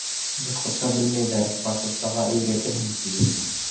Башҡортса белмәйҙәр, башҡортсаға өйрәтерһең, тиҙәр.